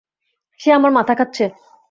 সে আমার মাথা খাচ্ছে।